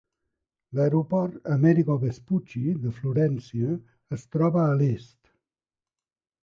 L'aeroport "Amerigo Vespucci" de Florència es troba a l'est.